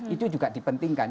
itu juga dipentingkan